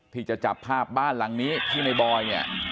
ที่จะจับภาพบ้านหลังนี้ที่ในบอยเนี่ย